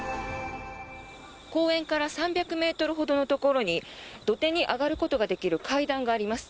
公園から３００ｍほどのところに土手に上がることができる階段があります。